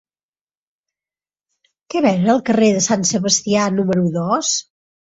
Què venen al carrer de Sant Sebastià número dos?